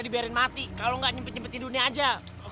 bisa dibiarin mati kalau gak nyimpit nyimpitin dunia aja